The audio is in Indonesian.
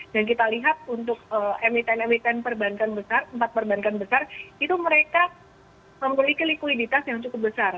dan kita lihat untuk emiten emiten perbankan besar empat perbankan besar itu mereka memiliki likuiditas yang cukup besar